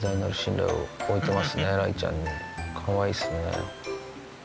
かわいいですね。